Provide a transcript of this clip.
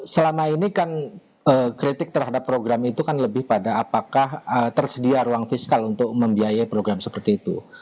selama ini kan kritik terhadap program itu kan lebih pada apakah tersedia ruang fiskal untuk membiayai program seperti itu